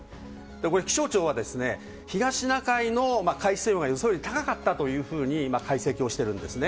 これ、気象庁は、東シナ海の海水温が予想より高かったと解析をしてるんですね。